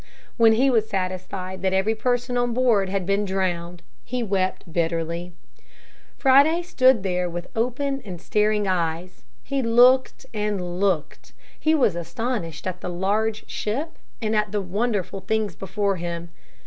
When he was satisfied that every person on board had been drowned he wept bitterly. Friday stood there with open and staring eyes. He looked and looked. He was astonished at the large ship and at the wonderful things before him.